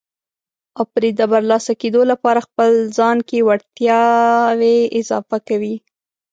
او پرې د برلاسه کېدو لپاره خپل ځان کې وړتیاوې اضافه کوي.